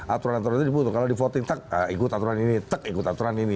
aturan aturan itu dibutuhkan kalau dipotong tak ikut aturan ini tak ikut aturan ini